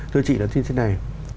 thưa chị đón xin thế này